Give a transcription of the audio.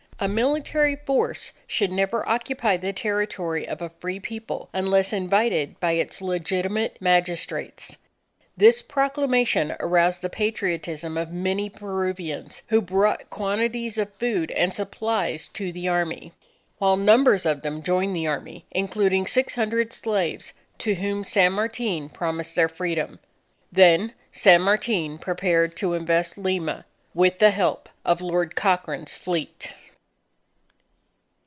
A military force should never occupy the territory of a Free People, unless invited by its legitimate magistrates._ This proclamation aroused the patriotism of many Peruvians, who brought quantities of food and supplies to the Army. While numbers of them joined the Army, including six hundred slaves, to whom San Martin promised their freedom. Then San Martin prepared to invest Lima, with the help of Lord Cochrane's fleet.